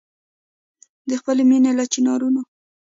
د خپلي مېني له چنارونو